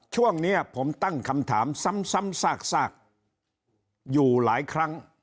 ช่วงนี้ผมตั้งคำถามซ้ำซากอยู่หลายครั้ง